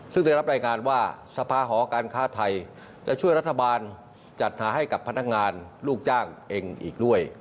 ซึ่งได้รับรายงานว่าสภาหอการค้าไทยจะช่วยรัฐบาลจัดหาให้กับพนักงานลูกจ้างเองอีกด้วย